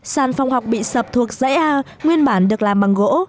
sàn phòng học bị sập thuộc dãy a nguyên bản được làm bằng gỗ